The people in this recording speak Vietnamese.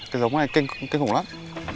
cái giống này kinh khủng lắm